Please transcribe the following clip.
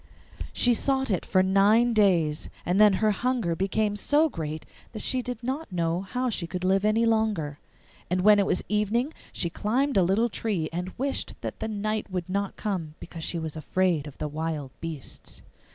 She sought it for nine days, and then her hunger became so great that she did not know how she could live any longer. And when it was evening she climbed a little tree and wished that the night would not come, because she was afraid of the wild beasts.